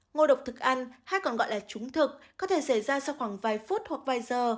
ngô độc thực ăn hay còn gọi là trúng thực có thể xảy ra sau khoảng vài phút hoặc vài giờ